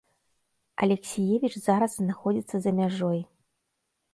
Алексіевіч зараз знаходзіцца за мяжой.